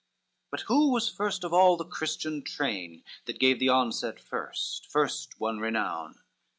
XXXII But who was first of all the Christian train, That gave the onset first, first won renown?